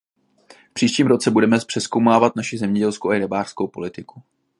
V příštím roce budeme přezkoumávat naši zemědělskou a rybářskou politiku.